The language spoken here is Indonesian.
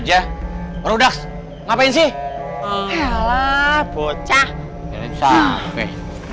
cak apa aja udah ngapain sih elaine bocah ngeje truth